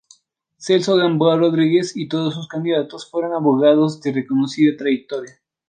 Celso Gamboa Rodríguez y todos sus candidatos fueron abogados de reconocida trayectoria.